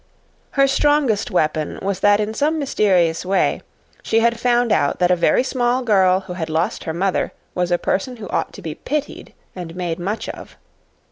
Her strongest weapon was that in some mysterious way she had found out that a very small girl who had lost her mother was a person who ought to be pitied and made much of.